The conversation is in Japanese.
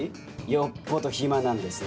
よっぽど暇なんですね。